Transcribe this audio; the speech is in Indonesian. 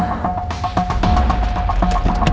aku mau ke rumah